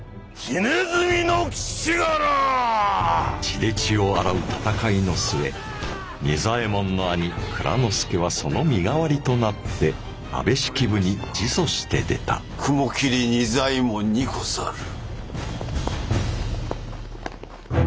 血で血を洗う戦いの末仁左衛門の兄蔵之助はその身代わりとなって安部式部に自訴して出た雲霧仁左衛門にござる。